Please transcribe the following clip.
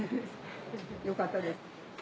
よかったです。